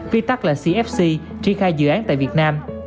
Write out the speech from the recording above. viết tắt là cfc triển khai dự án tại việt nam